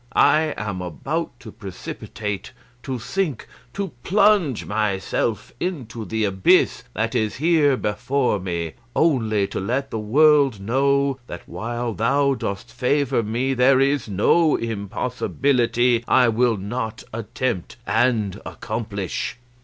I am about to precipitate, to sink, to plunge myself into the abyss that is here before me, only to let the world know that while thou dost favour me there is no impossibility I will not attempt and accomplish."